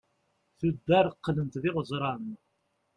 tuddar qlent d iɣeẓran